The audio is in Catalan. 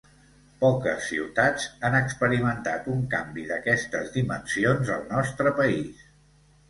Poques ciutats han experimentat un canvi d'aquestes dimensions al nostre país.